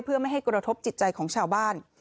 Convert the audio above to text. เพื่อไม่ให้กระทบจิตใจของชาวบ้าน